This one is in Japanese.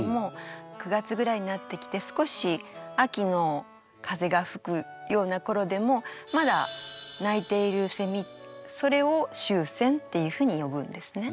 ９月ぐらいになってきて少し秋の風が吹くような頃でもまだ鳴いているせみそれを秋蝉っていうふうに呼ぶんですね。